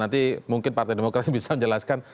nanti mungkin partai demokrasi bisa menjelaskan